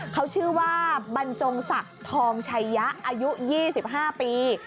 เขาชื่อว่าบรรจงศักดิ์ทองชัยยะอายุ๒๕ปี